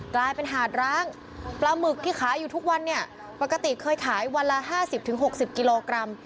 กลายเป็นหาดร้างปลาหมึกที่ขายอยู่ทุกวันเนี่ยปกติเคยขายวันละ๕๐๖๐กิโลกรัม